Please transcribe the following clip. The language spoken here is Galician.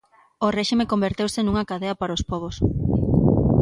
O réxime converteuse nunha cadea para os pobos.